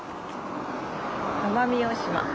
奄美大島。